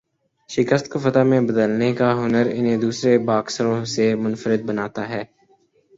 شکست کو فتح میں بدلنے کا ہنر انہیں دوسرے باکسروں سے منفرد بناتا ہے